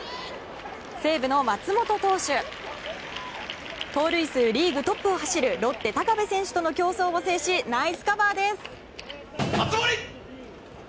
西武の松本投手盗塁数リーグトップを走るロッテ高部選手との競走を制しナイスカバーです。